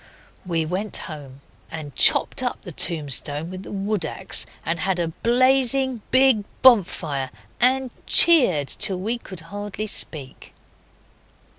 We went home and chopped up the tombstone with the wood axe and had a blazing big bonfire, and cheered till we could hardly speak.